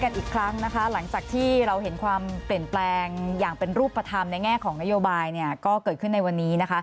กันอีกครั้งนะคะหลังจากที่เราเห็นความเปลี่ยนแปลงอย่างเป็นรูปธรรมในแง่ของนโยบายก็เกิดขึ้นในวันนี้นะคะ